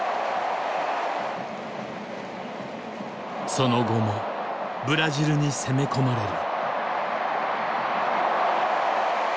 その後もブラジルに攻め込まれる。